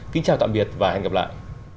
kính chào tạm biệt và hẹn gặp lại